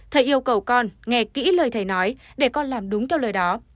thầy yêu cầu con nghe kỹ lời thầy nói để con làm đúng theo lời đó